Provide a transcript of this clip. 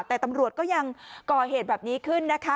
แต่ตำรวจก็ยังก่อเหตุแบบนี้ขึ้นนะคะ